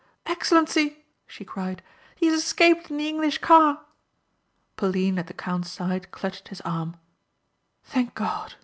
"Excellency," she cried, "He has escaped in the English car." Pauline at the count's side clutched his arm. "Thank God!"